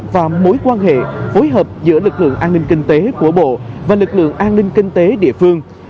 và mối quan hệ phối hợp giữa lực lượng an ninh kinh tế của bộ và lực lượng an ninh kinh tế địa phương